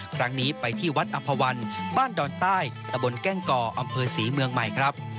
ครั้งนี้ไปที่วัดอำภาวันบ้านดอนใต้ตะบนแก้งก่ออำเภอศรีเมืองใหม่ครับ